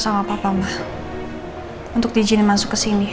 terus saya malah diizinkan buat masuk ke sini